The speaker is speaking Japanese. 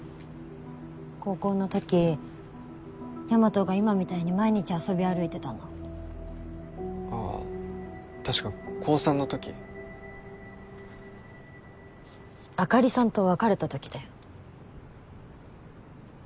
高校のとき大和が今みたいに毎日遊び歩いてたのああ確か高３のときあかりさんと別れたときだよ